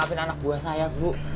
tapi anak buah saya bu